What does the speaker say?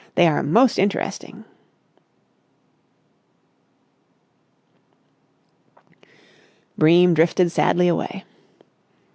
They are most interesting." Bream drifted sadly away.